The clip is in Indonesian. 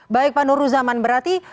baik pak nur ruzaman berarti